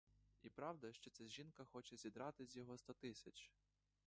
І правда, що ця жінка хоче зідрати з його сто тисяч?